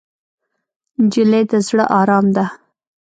نجلۍ د زړه ارام ده.